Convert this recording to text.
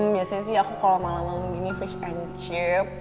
biasanya sih aku kalau malam malam gini fish and chip